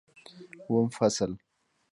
اووم فصل